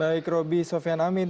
baik roby sofyan amin